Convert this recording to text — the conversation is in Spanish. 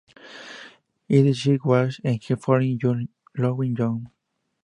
Is This What I Get for Loving You?